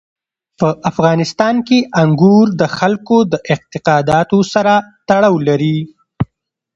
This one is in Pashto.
په افغانستان کې انګور د خلکو د اعتقاداتو سره تړاو لري.